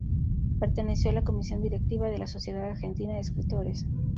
Perteneció a la comisión directiva de la Sociedad Argentina de Escritores.